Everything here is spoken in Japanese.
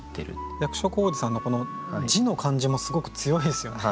役所広司さんのこの字の感じもすごく強いですよね